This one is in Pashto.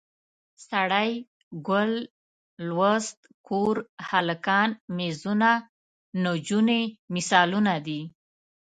سړی، ګل، لوست، کور، هلکان، میزونه، نجونې مثالونه دي.